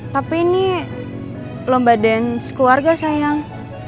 tapi ini lomba dance keluarga sayang